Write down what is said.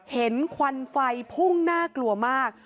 ควันไฟพุ่งน่ากลัวมาก